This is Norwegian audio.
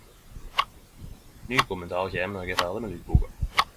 Ny kommentar kjem når eg er ferdig med lydboka.